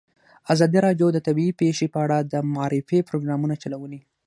ازادي راډیو د طبیعي پېښې په اړه د معارفې پروګرامونه چلولي.